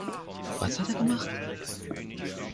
Was hat er gemacht?